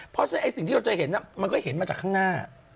เพราะฉะนั้นไอ้สิ่งที่เราจะเห็นมันก็เห็นมาจากข้างหน้า